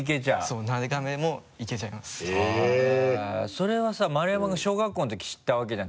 それはさ丸山君小学校の時知ったわけじゃん。